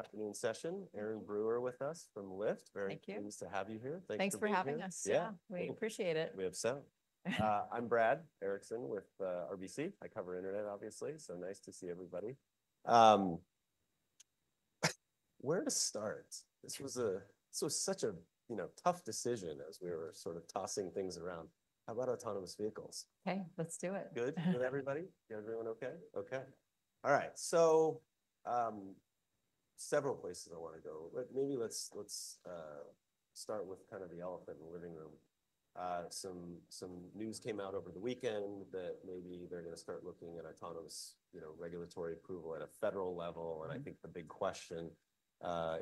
For the afternoon session, Erin Brewer with us from Lyft. Thank you. Very pleased to have you here. Thank you for having us. Yeah, we appreciate it. We have so much. I'm Brad Erickson with RBC. I cover internet, obviously, so nice to see everybody. Where to start? This was such a, you know, tough decision as we were sort of tossing things around. How about autonomous vehicles? Okay, let's do it. Good? Everybody? Everyone okay? Okay. All right. So, several places I want to go, but maybe let's start with kind of the elephant in the living room. Some news came out over the weekend that maybe they're going to start looking at autonomous, you know, regulatory approval at a federal level. And I think the big question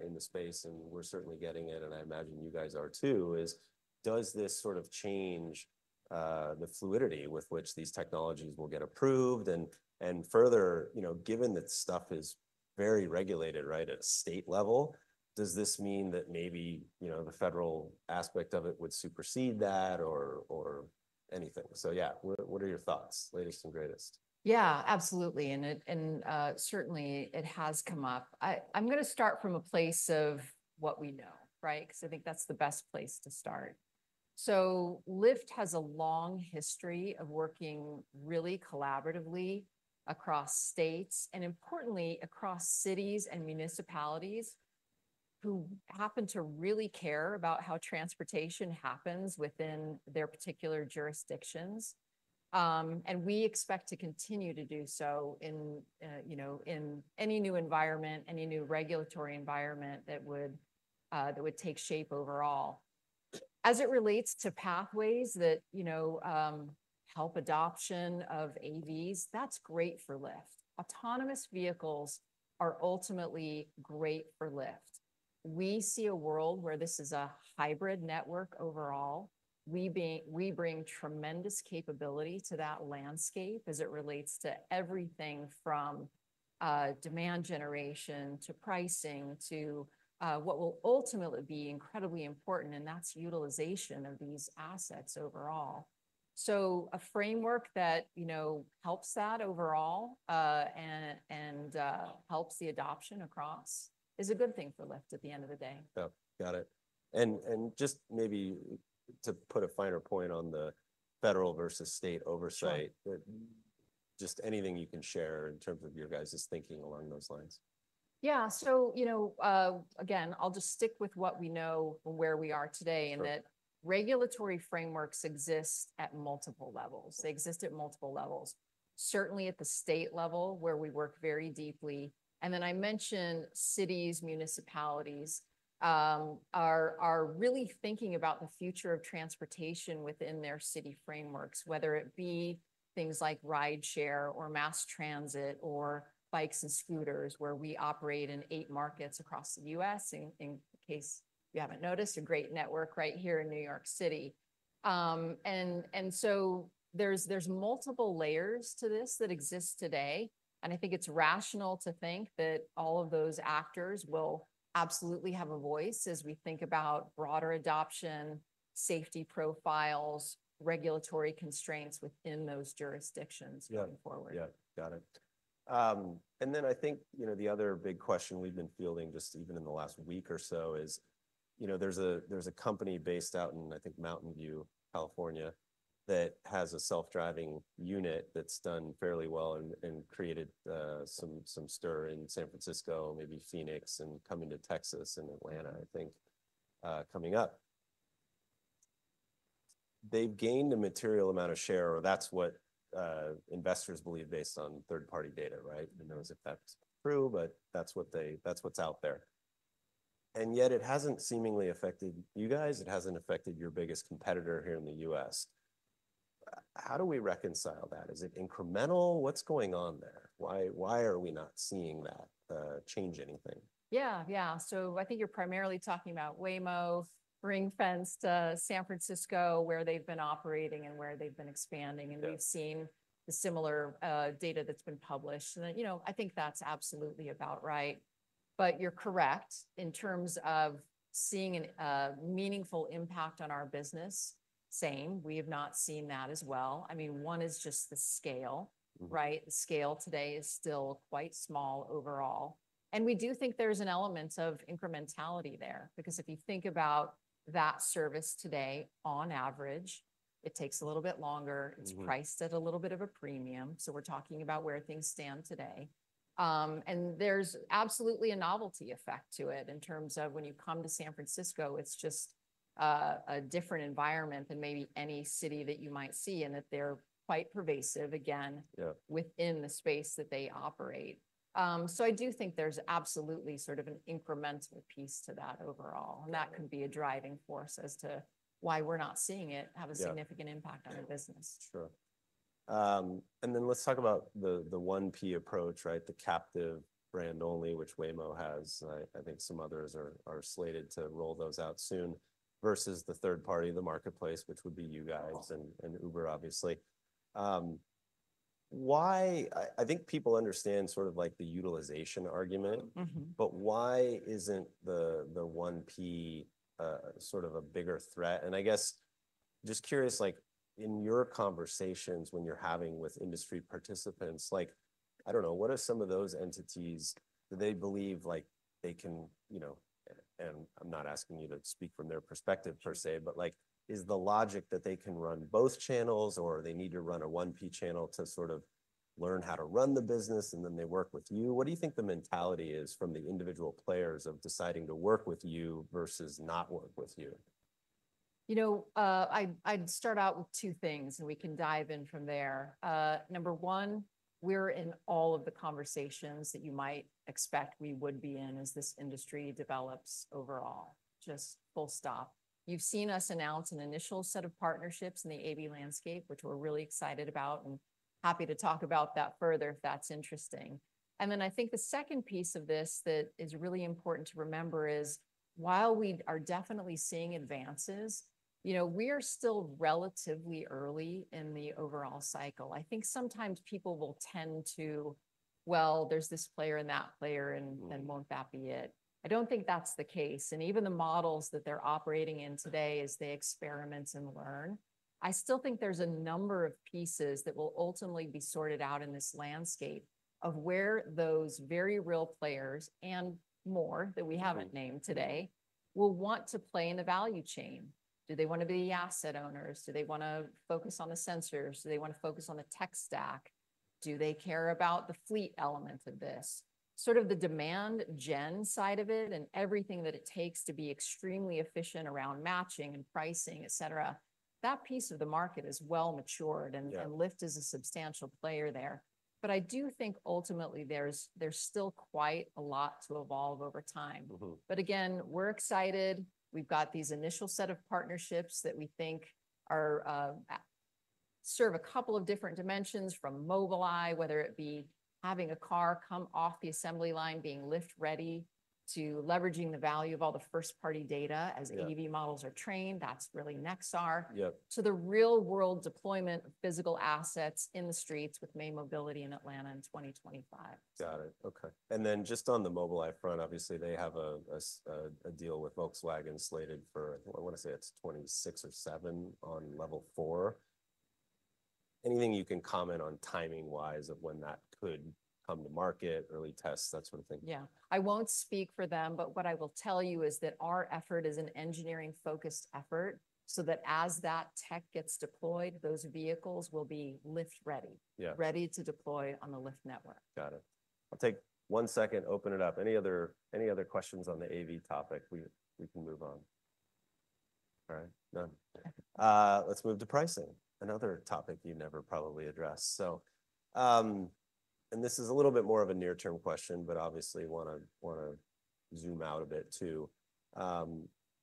in the space, and we're certainly getting it, and I imagine you guys are too, is does this sort of change the fluidity with which these technologies will get approved? And further, you know, given that stuff is very regulated, right, at a state level, does this mean that maybe, you know, the federal aspect of it would supersede that or anything? So, yeah, what are your thoughts, latest and greatest? Yeah, absolutely, and certainly it has come up. I'm going to start from a place of what we know, right? Because I think that's the best place to start, so Lyft has a long history of working really collaboratively across states and, importantly, across cities and municipalities who happen to really care about how transportation happens within their particular jurisdictions, and we expect to continue to do so in, you know, in any new environment, any new regulatory environment that would take shape overall. As it relates to pathways that, you know, help adoption of AVs, that's great for Lyft. Autonomous vehicles are ultimately great for Lyft. We see a world where this is a hybrid network overall. We bring tremendous capability to that landscape as it relates to everything from demand generation to pricing to what will ultimately be incredibly important, and that's utilization of these assets overall. A framework that, you know, helps that overall and helps the adoption across is a good thing for Lyft at the end of the day. Yeah, got it. And just maybe to put a finer point on the federal versus state oversight, just anything you can share in terms of your guys' thinking along those lines. Yeah, so, you know, again, I'll just stick with what we know from where we are today in that regulatory frameworks exist at multiple levels. They exist at multiple levels, certainly at the state level where we work very deeply. And then I mentioned cities, municipalities are really thinking about the future of transportation within their city frameworks, whether it be things like rideshare or mass transit or bikes and scooters, where we operate in eight markets across the U.S., in case you haven't noticed, a great network right here in New York City. And so there's multiple layers to this that exist today. And I think it's rational to think that all of those actors will absolutely have a voice as we think about broader adoption, safety profiles, regulatory constraints within those jurisdictions going forward. Yeah, got it. And then I think, you know, the other big question we've been fielding just even in the last week or so is, you know, there's a company based out in, I think, Mountain View, California, that has a self-driving unit that's done fairly well and created some stir in San Francisco, maybe Phoenix, and coming to Texas and Atlanta, I think, coming up. They've gained a material amount of share, or that's what investors believe based on third-party data, right? Who knows if that's true, but that's what's out there. And yet it hasn't seemingly affected you guys. It hasn't affected your biggest competitor here in the U.S. How do we reconcile that? Is it incremental? What's going on there? Why are we not seeing that change anything? Yeah, yeah. So I think you're primarily talking about Waymo ring-fenced to San Francisco, where they've been operating and where they've been expanding, and we've seen the similar data that's been published. And you know, I think that's absolutely about right. But you're correct in terms of seeing a meaningful impact on our business. Same, we have not seen that as well. I mean, one is just the scale, right? The scale today is still quite small overall. And we do think there's an element of incrementality there because if you think about that service today, on average, it takes a little bit longer. It's priced at a little bit of a premium. So we're talking about where things stand today. And there's absolutely a novelty effect to it in terms of when you come to San Francisco, it's just a different environment than maybe any city that you might see and that they're quite pervasive, again, within the space that they operate. So I do think there's absolutely sort of an incremental piece to that overall. And that could be a driving force as to why we're not seeing it have a significant impact on our business. Sure. And then let's talk about the 1P approach, right? The captive brand only, which Waymo has. I think some others are slated to roll those out soon versus the third party, the marketplace, which would be you guys and Uber, obviously. Why? I think people understand sort of like the utilization argument, but why isn't the 1P sort of a bigger threat? And I guess just curious, like in your conversations when you're having with industry participants, like, I don't know, what are some of those entities that they believe like they can, you know, and I'm not asking you to speak from their perspective per se, but like is the logic that they can run both channels or they need to run a 1P channel to sort of learn how to run the business and then they work with you? What do you think the mentality is from the individual players of deciding to work with you versus not work with you? You know, I'd start out with two things and we can dive in from there. Number one, we're in all of the conversations that you might expect we would be in as this industry develops overall. Just full stop. You've seen us announce an initial set of partnerships in the AV landscape, which we're really excited about and happy to talk about that further if that's interesting. And then I think the second piece of this that is really important to remember is while we are definitely seeing advances, you know, we are still relatively early in the overall cycle. I think sometimes people will tend to, well, there's this player and that player and won't that be it. I don't think that's the case. And even the models that they're operating in today as they experiment and learn, I still think there's a number of pieces that will ultimately be sorted out in this landscape of where those very real players and more that we haven't named today will want to play in the value chain. Do they want to be asset owners? Do they want to focus on the sensors? Do they want to focus on the tech stack? Do they care about the fleet element of this? Sort of the demand gen side of it and everything that it takes to be extremely efficient around matching and pricing, et cetera. That piece of the market is well matured and Lyft is a substantial player there. But I do think ultimately there's still quite a lot to evolve over time. But again, we're excited. We've got these initial set of partnerships that we think serve a couple of different dimensions from Mobileye, whether it be having a car come off the assembly line, being Lyft ready to leveraging the value of all the first-party data as AV models are trained. That's really Nexar. So the real-world deployment of physical assets in the streets with May Mobility in Atlanta in 2025. Got it. Okay. And then just on the Mobileye front, obviously they have a deal with Volkswagen slated for, I want to say it's 2026 or 2027 on Level 4. Anything you can comment on timing-wise of when that could come to market, early tests, that sort of thing? Yeah. I won't speak for them, but what I will tell you is that our effort is an engineering-focused effort so that as that tech gets deployed, those vehicles will be Lyft ready, ready to deploy on the Lyft network. Got it. I'll take one second, open it up. Any other questions on the AV topic? We can move on. All right. None. Let's move to pricing. Another topic you never probably addressed, and this is a little bit more of a near-term question, but obviously want to zoom out a bit too.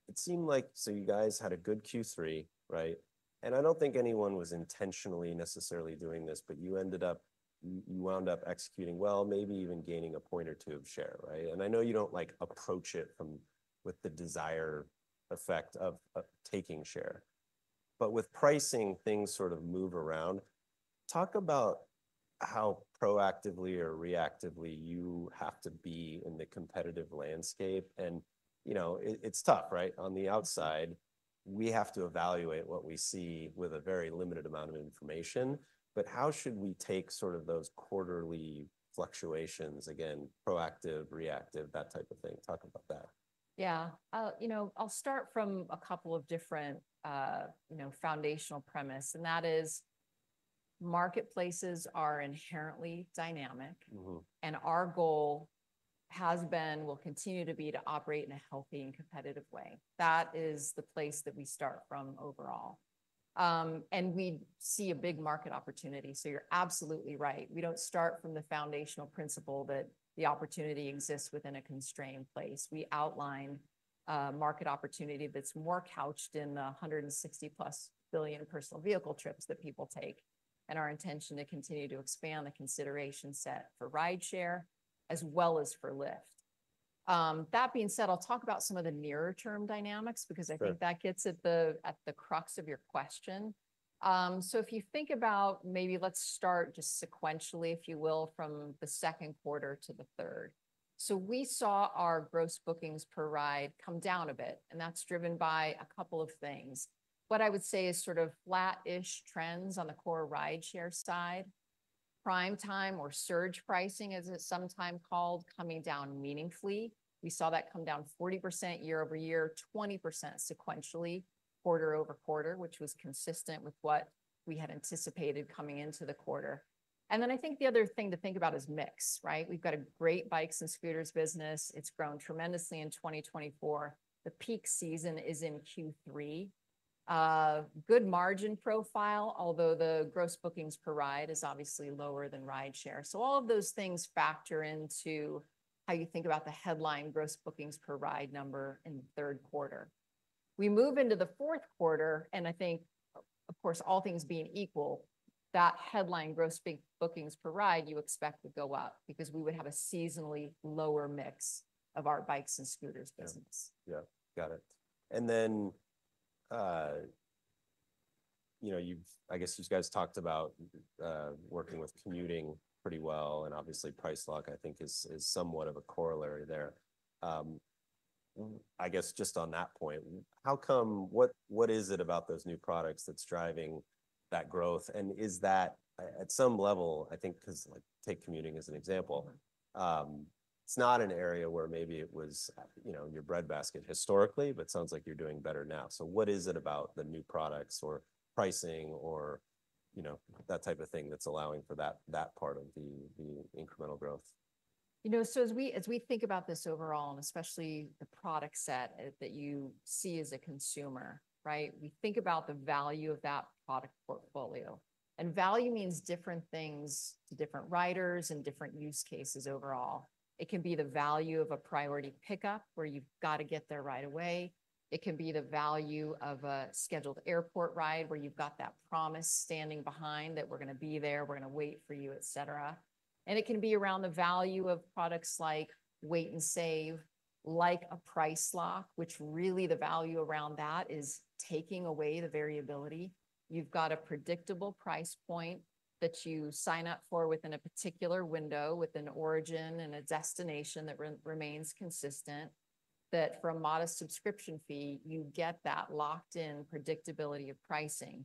It seemed like so you guys had a good Q3, right, and I don't think anyone was intentionally necessarily doing this, but you ended up, you wound up executing well, maybe even gaining a point or two of share, right, and I know you don't like approach it with the desire effect of taking share, but with pricing, things sort of move around. Talk about how proactively or reactively you have to be in the competitive landscape, and you know, it's tough, right? On the outside, we have to evaluate what we see with a very limited amount of information. But how should we take sort of those quarterly fluctuations, again, proactive, reactive, that type of thing? Talk about that. Yeah. You know, I'll start from a couple of different, you know, foundational premises, and that is marketplaces are inherently dynamic, and our goal has been, will continue to be, to operate in a healthy and competitive way. That is the place that we start from overall, and we see a big market opportunity. So you're absolutely right. We don't start from the foundational principle that the opportunity exists within a constrained place. We outline a market opportunity that's more couched in the 160+ billion personal vehicle trips that people take, and our intention to continue to expand the consideration set for rideshare as well as for Lyft. That being said, I'll talk about some of the nearer-term dynamics because I think that gets at the crux of your question, so if you think about maybe let's start just sequentially, if you will, from the second quarter to the third. We saw our gross bookings per ride come down a bit. That's driven by a couple of things. What I would say is sort of flat-ish trends on the core rideshare side. Prime Time or surge pricing, as it's sometimes called, coming down meaningfully. We saw that come down 40% year-over-year, 20% sequentially, quarter-over-quarter, which was consistent with what we had anticipated coming into the quarter. I think the other thing to think about is mix, right? We've got a great bikes and scooters business. It's grown tremendously in 2024. The peak season is in Q3. Good margin profile, although the gross bookings per ride is obviously lower than rideshare. All of those things factor into how you think about the headline gross bookings per ride number in the third quarter. We move into the fourth quarter, and I think, of course, all things being equal, that headline gross bookings per ride, you expect to go up because we would have a seasonally lower mix of our bikes and scooters business. Yeah, got it. And then, you know, I guess you guys talked about working with commuting pretty well. And obviously, Price Lock, I think, is somewhat of a corollary there. I guess just on that point, how come, what is it about those new products that's driving that growth? And is that at some level, I think, because take commuting as an example, it's not an area where maybe it was, you know, your breadbasket historically, but it sounds like you're doing better now. So what is it about the new products or pricing or, you know, that type of thing that's allowing for that part of the incremental growth? You know, so as we think about this overall, and especially the product set that you see as a consumer, right, we think about the value of that product portfolio. And value means different things to different riders and different use cases overall. It can be the value of a Priority Pickup where you've got to get there right away. It can be the value of a scheduled airport ride where you've got that promise standing behind that we're going to be there, we're going to wait for you, et cetera. And it can be around the value of products like Wait & Save, like a Price Lock, which really the value around that is taking away the variability. You've got a predictable price point that you sign up for within a particular window with an origin and a destination that remains consistent that from a modest subscription fee, you get that locked-in predictability of pricing.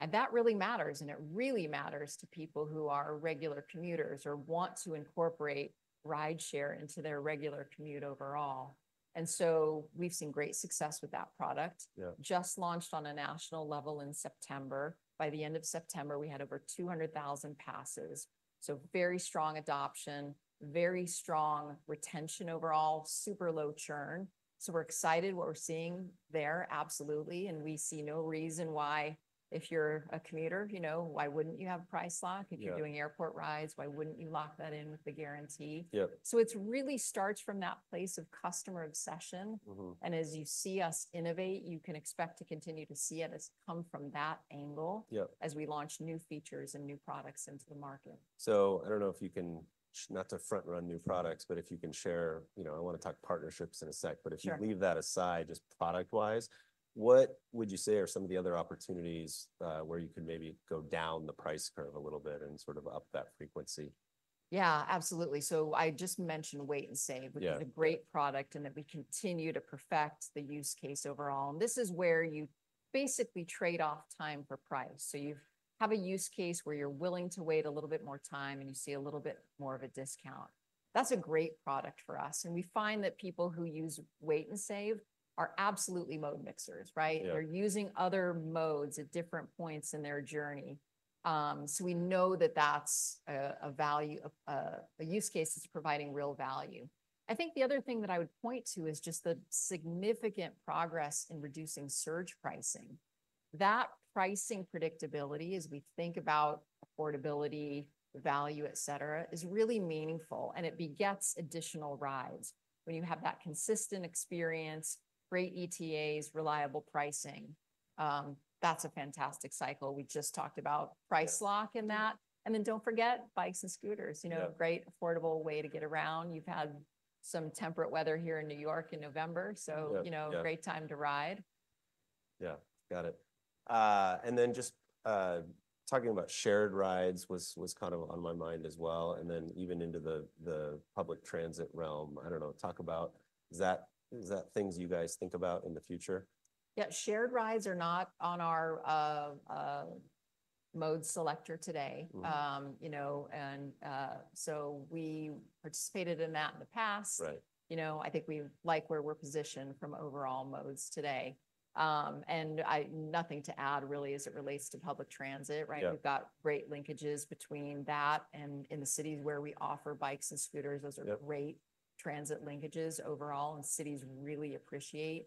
And that really matters. And it really matters to people who are regular commuters or want to incorporate rideshare into their regular commute overall. And so we've seen great success with that product. Just launched on a national level in September. By the end of September, we had over 200,000 passes. So very strong adoption, very strong retention overall, super low churn. So we're excited what we're seeing there, absolutely. And we see no reason why if you're a commuter, you know, why wouldn't you have Price Lock? If you're doing airport rides, why wouldn't you lock that in with the guarantee? So it really starts from that place of customer obsession. As you see us innovate, you can expect to continue to see it come from that angle as we launch new features and new products into the market. So, I don't know if you can, not to front-run new products, but if you can share, you know, I want to talk partnerships in a sec, but if you leave that aside, just product-wise, what would you say are some of the other opportunities where you could maybe go down the price curve a little bit and sort of up that frequency? Yeah, absolutely. So I just mentioned Wait & Save, which is a great product and that we continue to perfect the use case overall. And this is where you basically trade off time for price. So you have a use case where you're willing to wait a little bit more time and you see a little bit more of a discount. That's a great product for us. And we find that people who use Wait & Save are absolutely mode mixers, right? They're using other modes at different points in their journey. So we know that that's a value, a use case that's providing real value. I think the other thing that I would point to is just the significant progress in reducing surge pricing. That pricing predictability, as we think about affordability, value, et cetera, is really meaningful. And it begets additional rides. When you have that consistent experience, great ETAs, reliable pricing, that's a fantastic cycle. We just talked about Price Lock in that. And then don't forget bikes and scooters, you know, great affordable way to get around. You've had some temperate weather here in New York in November, so you know, great time to ride. Yeah, got it. And then just talking about shared rides was kind of on my mind as well. And then even into the public transit realm, I don't know, talk about, is that things you guys think about in the future? Yeah, shared rides are not on our mode selector today, you know, and so we participated in that in the past. You know, I think we like where we're positioned from overall modes today. And I have nothing to add really as it relates to public transit, right? We've got great linkages between that and in the cities where we offer bikes and scooters, those are great transit linkages overall. And cities really appreciate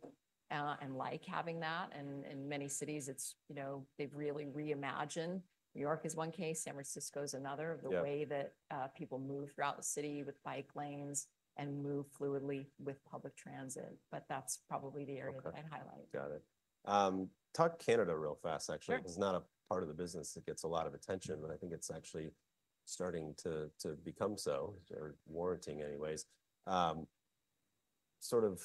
and like having that. And in many cities, it's, you know, they've really reimagined. New York is one case, San Francisco is another of the way that people move throughout the city with bike lanes and move fluidly with public transit. But that's probably the area I'd highlight. Got it. Talk Canada real fast, actually. It's not a part of the business that gets a lot of attention, but I think it's actually starting to become so, or warranting anyways. Sort of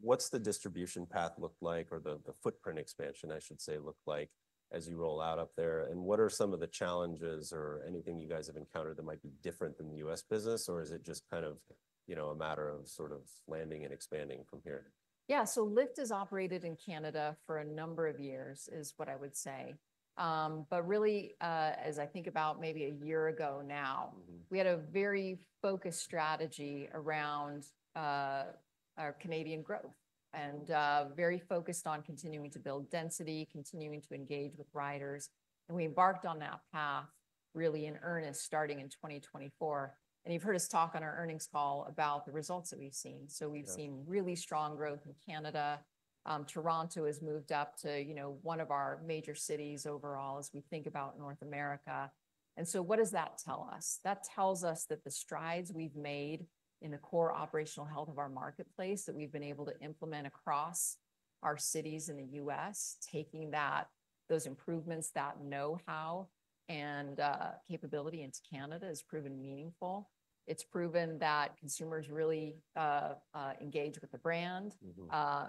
what's the distribution path look like or the footprint expansion, I should say, look like as you roll out up there? And what are some of the challenges or anything you guys have encountered that might be different than the U.S. business, or is it just kind of, you know, a matter of sort of landing and expanding from here? Yeah, so Lyft has operated in Canada for a number of years is what I would say. But really, as I think about maybe a year ago now, we had a very focused strategy around our Canadian growth and very focused on continuing to build density, continuing to engage with riders. And we embarked on that path really in earnest starting in 2024. And you've heard us talk on our earnings call about the results that we've seen. So we've seen really strong growth in Canada. Toronto has moved up to, you know, one of our major cities overall as we think about North America. And so what does that tell us? That tells us that the strides we've made in the core operational health of our marketplace that we've been able to implement across our cities in the U.S., taking those improvements, that know-how and capability into Canada has proven meaningful. It's proven that consumers really engage with the brand,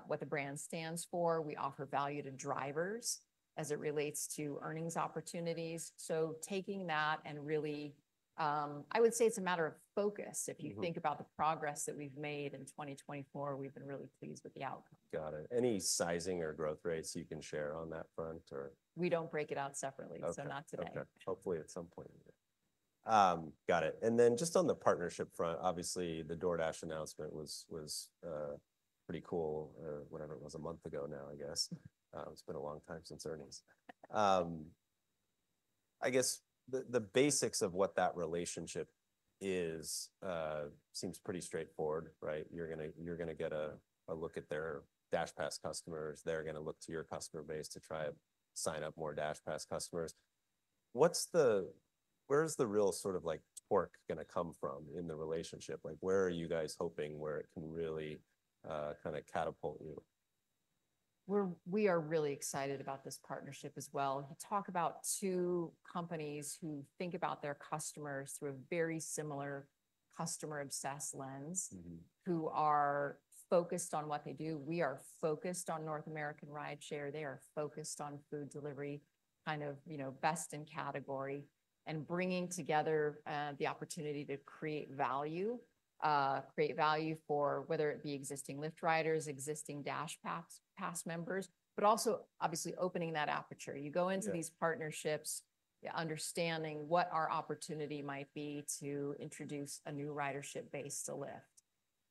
what the brand stands for. We offer value to drivers as it relates to earnings opportunities. So taking that and really, I would say it's a matter of focus. If you think about the progress that we've made in 2024, we've been really pleased with the outcome. Got it. Any sizing or growth rates you can share on that front or? We don't break it out separately, so not today. Okay. Hopefully at some point. Got it. And then just on the partnership front, obviously the DoorDash announcement was pretty cool, whatever it was a month ago now, I guess. It's been a long time since earnings. I guess the basics of what that relationship is seems pretty straightforward, right? You're going to get a look at their DashPass customers. They're going to look to your customer base to try to sign up more DashPass customers. Where's the real sort of like torque going to come from in the relationship? Like where are you guys hoping where it can really kind of catapult you? We are really excited about this partnership as well. You talk about two companies who think about their customers through a very similar customer-obsessed lens who are focused on what they do. We are focused on North American rideshare. They are focused on food delivery, kind of, you know, best in category and bringing together the opportunity to create value, create value for whether it be existing Lyft riders, existing DashPass members, but also obviously opening that aperture. You go into these partnerships understanding what our opportunity might be to introduce a new ridership base to Lyft.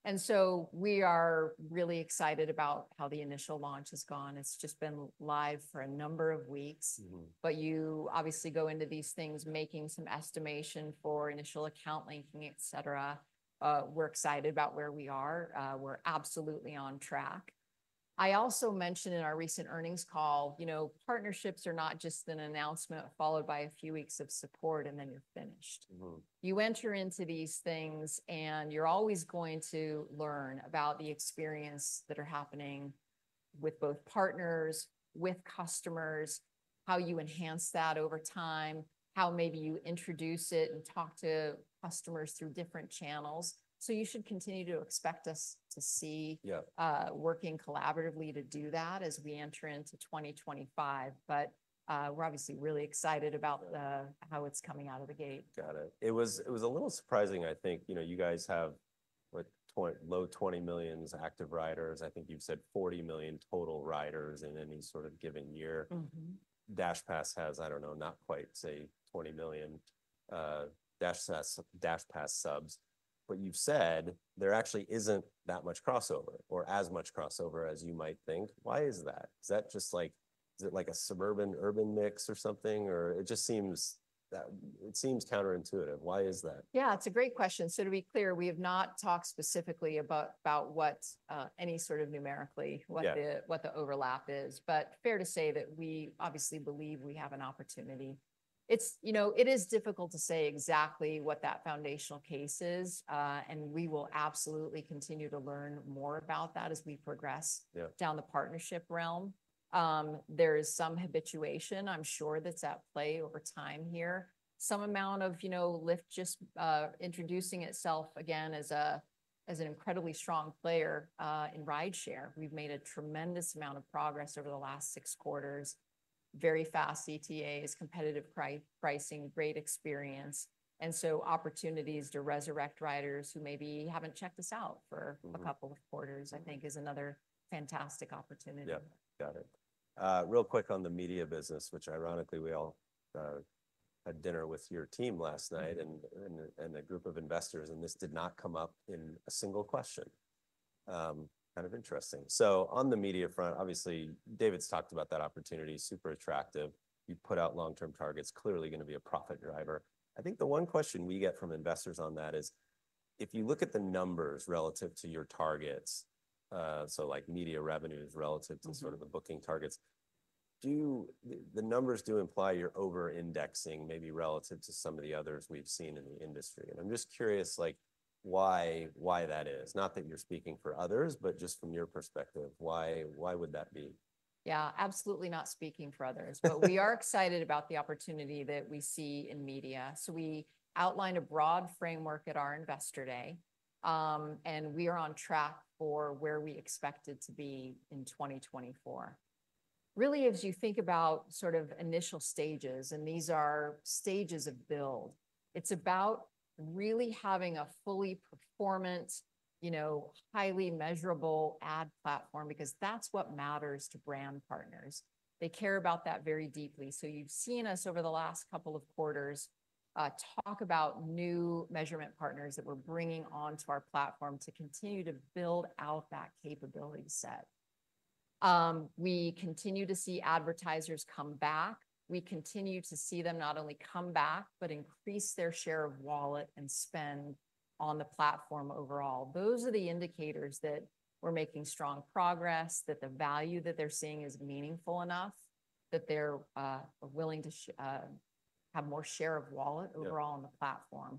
And so we are really excited about how the initial launch has gone. It's just been live for a number of weeks. But you obviously go into these things making some estimation for initial account linking, et cetera. We're excited about where we are. We're absolutely on track. I also mentioned in our recent earnings call, you know, partnerships are not just an announcement followed by a few weeks of support and then you're finished. You enter into these things and you're always going to learn about the experiences that are happening with both partners, with customers, how you enhance that over time, how maybe you introduce it and talk to customers through different channels, so you should continue to expect us to see working collaboratively to do that as we enter into 2025, but we're obviously really excited about how it's coming out of the gate. Got it. It was a little surprising, I think, you know, you guys have low 20 million active riders. I think you've said 40 million total riders in any sort of given year. DashPass has, I don't know, not quite say 20 million DashPass subs. But you've said there actually isn't that much crossover or as much crossover as you might think. Why is that? Is that just like, is it like a suburban urban mix or something? Or it just seems, it seems counterintuitive. Why is that? Yeah, it's a great question. So to be clear, we have not talked specifically about what any sort of numerically, what the overlap is. But fair to say that we obviously believe we have an opportunity. It's, you know, it is difficult to say exactly what that foundational case is. And we will absolutely continue to learn more about that as we progress down the partnership realm. There is some habituation, I'm sure, that's at play over time here. Some amount of, you know, Lyft just introducing itself again as an incredibly strong player in rideshare. We've made a tremendous amount of progress over the last six quarters. Very fast ETAs, competitive pricing, great experience. And so opportunities to resurrect riders who maybe haven't checked us out for a couple of quarters, I think is another fantastic opportunity. Yeah, got it. Real quick on the media business, which ironically we all had dinner with your team last night and a group of investors, and this did not come up in a single question. Kind of interesting. So on the media front, obviously David's talked about that opportunity, super attractive. You put out long-term targets, clearly going to be a profit driver. I think the one question we get from investors on that is if you look at the numbers relative to your targets, so like media revenues relative to sort of the booking targets, do the numbers imply you're over-indexing maybe relative to some of the others we've seen in the industry? And I'm just curious like why that is. Not that you're speaking for others, but just from your perspective, why would that be? Yeah, absolutely not speaking for others, but we are excited about the opportunity that we see in media, so we outlined a broad framework at our investor day, and we are on track for where we expected to be in 2024. Really, as you think about sort of initial stages, and these are stages of build, it's about really having a fully performant, you know, highly measurable ad platform because that's what matters to brand partners. They care about that very deeply, so you've seen us over the last couple of quarters talk about new measurement partners that we're bringing onto our platform to continue to build out that capability set. We continue to see advertisers come back. We continue to see them not only come back, but increase their share of wallet and spend on the platform overall. Those are the indicators that we're making strong progress, that the value that they're seeing is meaningful enough, that they're willing to have more share of wallet overall on the platform.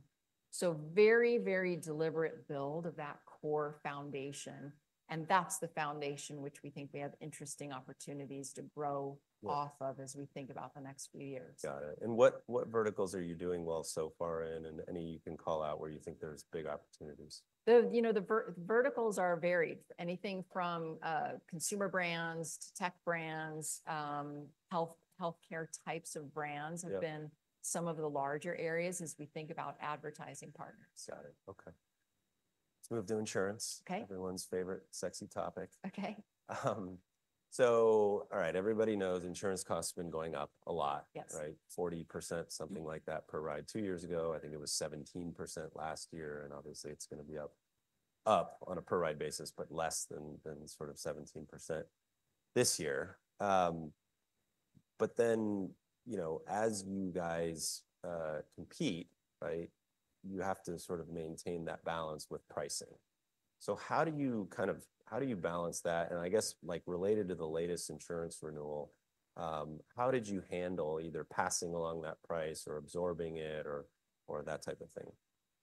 So very, very deliberate build of that core foundation. And that's the foundation which we think we have interesting opportunities to grow off of as we think about the next few years. Got it. And what verticals are you doing well so far in and any you can call out where you think there's big opportunities? You know, the verticals are varied. Anything from consumer brands to tech brands, healthcare types of brands have been some of the larger areas as we think about advertising partners. Got it. Okay. Let's move to insurance. Everyone's favorite sexy topic. Okay. All right, everybody knows insurance costs have been going up a lot, right? 40%, something like that per ride. Two years ago, I think it was 17% last year. And obviously it's going to be up on a per ride basis, but less than sort of 17% this year. But then, you know, as you guys compete, right, you have to sort of maintain that balance with pricing. How do you kind of, how do you balance that? And I guess like related to the latest insurance renewal, how did you handle either passing along that price or absorbing it or that type of thing?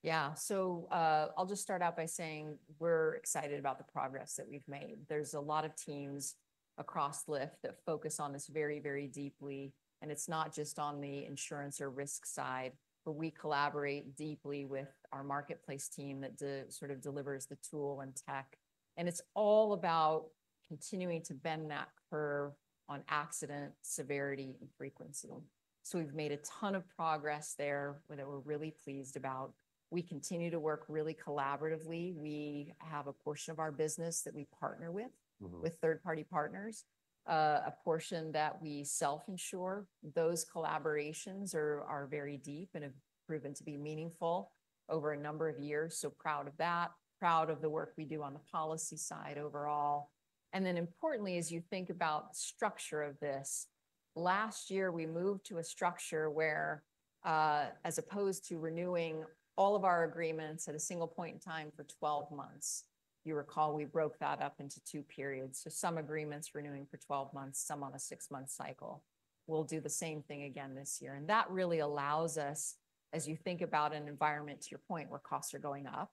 Yeah, so I'll just start out by saying we're excited about the progress that we've made. There's a lot of teams across Lyft that focus on this very, very deeply, and it's not just on the insurance or risk side, but we collaborate deeply with our marketplace team that sort of delivers the tool and tech, and it's all about continuing to bend that curve on accident, severity, and frequency, so we've made a ton of progress there that we're really pleased about. We continue to work really collaboratively. We have a portion of our business that we partner with, with third-party partners, a portion that we self-insure. Those collaborations are very deep and have proven to be meaningful over a number of years, so proud of that, proud of the work we do on the policy side overall. And then, importantly, as you think about the structure of this, last year we moved to a structure where, as opposed to renewing all of our agreements at a single point in time for 12 months, you recall we broke that up into two periods. So some agreements renewing for 12 months, some on a six-month cycle. We'll do the same thing again this year. And that really allows us, as you think about an environment to your point where costs are going up,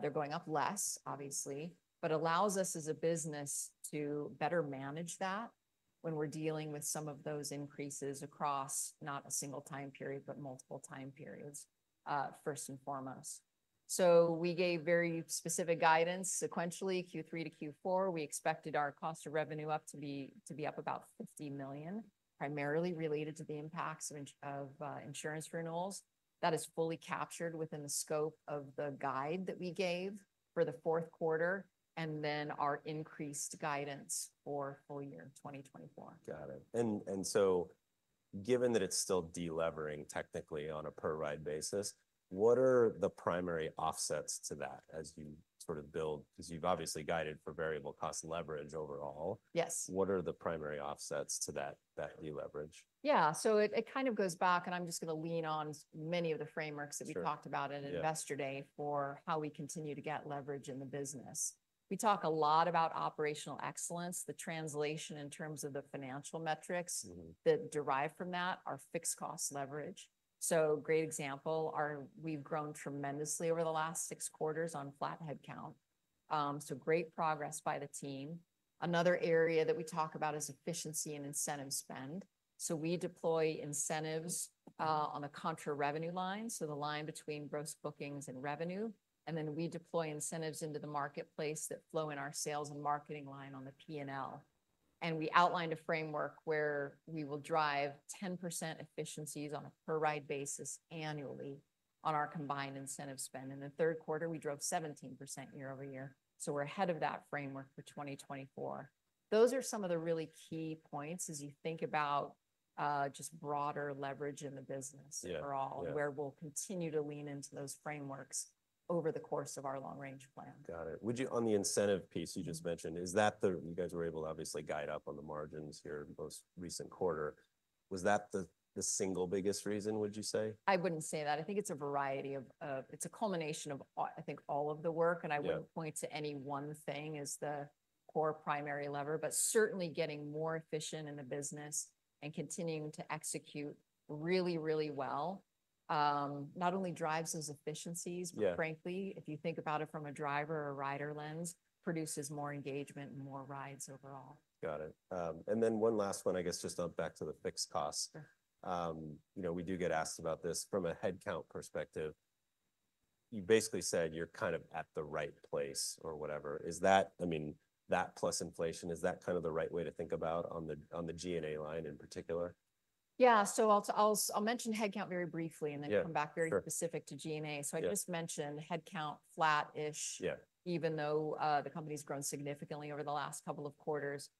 they're going up less, obviously, but allows us as a business to better manage that when we're dealing with some of those increases across not a single time period, but multiple time periods first and foremost. So we gave very specific guidance sequentially Q3 to Q4. We expected our cost of revenue to be up about $50 million, primarily related to the impacts of insurance renewals. That is fully captured within the scope of the guide that we gave for the fourth quarter and then our increased guidance for full year 2024. Got it. And so given that it's still delevering technically on a per ride basis, what are the primary offsets to that as you sort of build? Because you've obviously guided for variable cost leverage overall. What are the primary offsets to that deleverage? Yeah, so it kind of goes back, and I'm just going to lean on many of the frameworks that we talked about at Investor Day for how we continue to get leverage in the business. We talk a lot about operational excellence, the translation in terms of the financial metrics that derive from that are fixed cost leverage, so great example, we've grown tremendously over the last six quarters on flat head count, so great progress by the team. Another area that we talk about is efficiency and incentive spend, so we deploy incentives on the contra revenue line, so the line between gross bookings and revenue, and then we deploy incentives into the marketplace that flow in our sales and marketing line on the P&L. And we outlined a framework where we will drive 10% efficiencies on a per ride basis annually on our combined incentive spend. In the third quarter, we drove 17% year-over-year. So we're ahead of that framework for 2024. Those are some of the really key points as you think about just broader leverage in the business overall, where we'll continue to lean into those frameworks over the course of our long-range plan. Got it. Would you, on the incentive piece you just mentioned, is that the, you guys were able to obviously guide up on the margins here in the most recent quarter? Was that the single biggest reason, would you say? I wouldn't say that. I think it's a variety of, it's a culmination of, I think, all of the work, and I wouldn't point to any one thing as the core primary lever, but certainly getting more efficient in the business and continuing to execute really, really well not only drives those efficiencies, but frankly, if you think about it from a driver or a rider lens, produces more engagement and more rides overall. Got it. And then one last one, I guess just on back to the fixed costs. You know, we do get asked about this from a headcount perspective. You basically said you're kind of at the right place or whatever. Is that, I mean, that plus inflation, is that kind of the right way to think about on the G&A line in particular? Yeah, so I'll mention headcount very briefly and then come back very specific to G&A. So I just mentioned headcount flat-ish, even though the company's grown significantly over the last couple of quarters.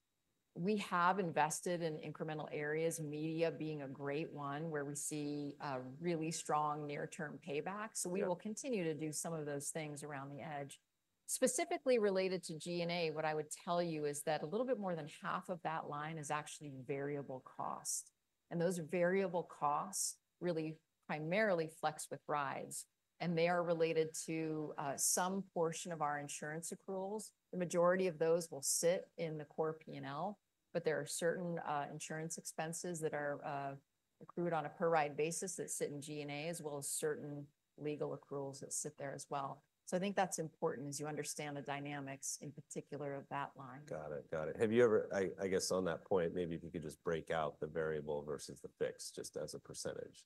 We have invested in incremental areas, media being a great one where we see really strong near-term payback. So we will continue to do some of those things around the edge. Specifically related to G&A, what I would tell you is that a little bit more than half of that line is actually variable cost. And those variable costs really primarily flex with rides. And they are related to some portion of our insurance accruals. The majority of those will sit in the core P&L, but there are certain insurance expenses that are accrued on a per ride basis that sit in G&A, as well as certain legal accruals that sit there as well. I think that's important as you understand the dynamics in particular of that line. Got it. Got it. Have you ever, I guess on that point, maybe if you could just break out the variable versus the fixed just as a percentage?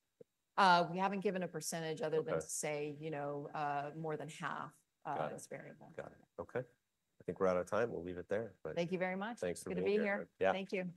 We haven't given a percentage other than to say, you know, more than half of this variable. Got it. Okay. I think we're out of time. We'll leave it there. Thank you very much. Thanks for being here. Good to be here. Thank you.